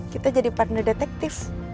kita jadi partner detektif